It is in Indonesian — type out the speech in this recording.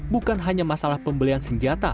bukan hanya masalah pembelian senjata